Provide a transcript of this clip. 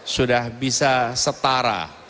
sudah bisa setara